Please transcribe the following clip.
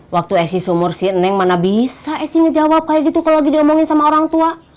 waktu esi seumur si eneng mana bisa esi ngejawab kaya gitu kalo lagi diomongin sama orang tua